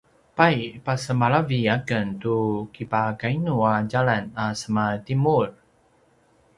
pay pasemalavi aken tu kipakainu a djalan a semaTimur?